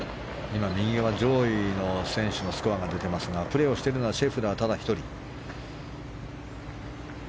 今、右側上位の選手のスコアが出ていますがプレーをしているのはシェフラーただ１人。